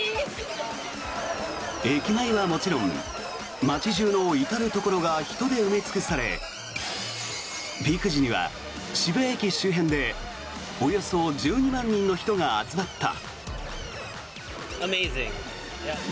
駅前はもちろん街中の至るところが人で埋め尽くされピーク時には渋谷駅周辺でおよそ１２万人の人が集まった。